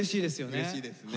うれしいですね。